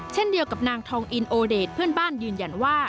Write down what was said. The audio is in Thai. เช่นเดียวกับนางทองอินโอเดชเพื่อนบ้านยืนยันว่า